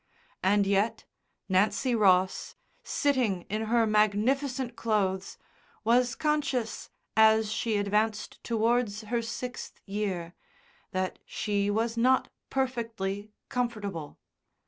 And yet Nancy Ross, sitting in her magnificent clothes, was conscious as she advanced towards her sixth year that she was not perfectly comfortable.